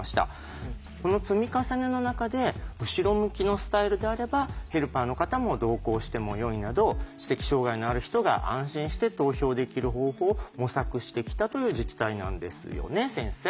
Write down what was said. この積み重ねの中で後ろ向きのスタイルであればヘルパーの方も同行してもよいなど知的障害のある人が安心して投票できる方法を模索してきたという自治体なんですよね先生。